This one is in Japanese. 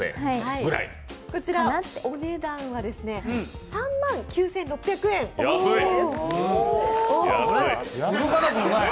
こちらお値段は３万９６００円です。